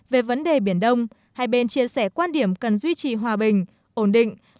về vấn đề biển đông hai bên chia sẻ quan điểm cần duy trì hòa bình ổn định